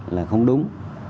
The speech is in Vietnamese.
là không đúng